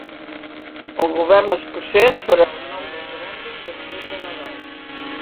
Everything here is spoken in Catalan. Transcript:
El govern escocès farà el nou referèndum després de Nadal